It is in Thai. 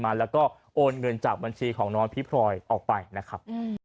มาแล้วก็โอนเงินจากบัญชีของน้องพี่พลอยออกไปนะครับ